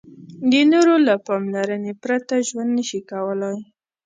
د نورو له پاملرنې پرته ژوند نشي کولای.